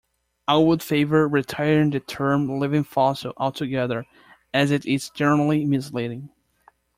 I would favor retiring the term 'living fossil' altogether, as it is generally misleading.